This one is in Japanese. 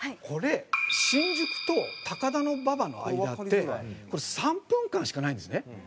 これ新宿と高田馬場の間って３分間しかないんですね。